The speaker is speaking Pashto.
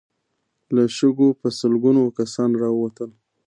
له شګو په سلګونو کسان را ووتل.